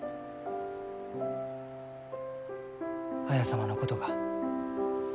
綾様のことが。